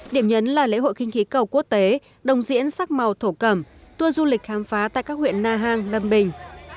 điểm nhấn là lễ hội kinh khí cầu quốc tế đồng diễn sắc màu thổ cẩm tour du lịch khám phá tại các huyện na hàng lâm bình